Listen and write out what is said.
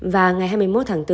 và ngày hai mươi một tháng bốn